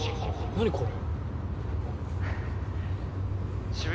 何これ。